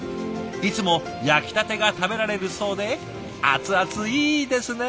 いつも焼きたてが食べられるそうで熱々いいですね！